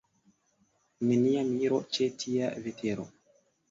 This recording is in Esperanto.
Nenia miro, ĉe tia vetero!